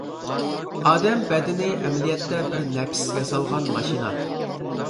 ئادەم بەدىنى ئەمەلىيەتتە بىر نەپىس ياسالغان ماشىنا.